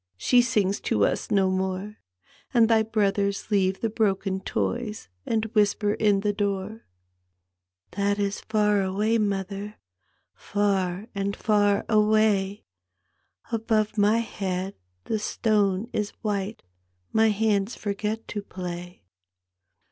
She sings to us no more; And thy brothers leave the bioken toys And whisper in the door." That is far atvay, mother. Far and far away/ Above my head the stone is white. My hands forget to play.